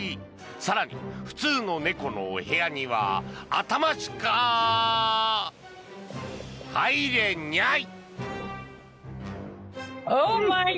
更に、普通の猫の部屋には頭しか入れにゃい。